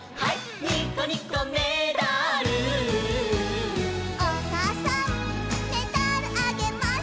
「ニッコニコメダル」「おかあさんメダルあげます」